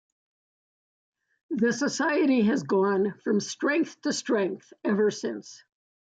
The society has gone from strength to strength ever since.